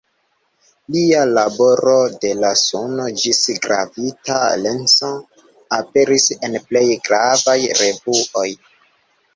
Lia laboro, de la Suno ĝis gravita lenso, aperis en plej gravaj revuo.